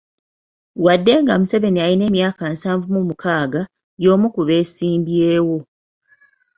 Wadde nga Museveni alina emyaka nsavu mu mukaaga, y'omu ku beesimbyewo.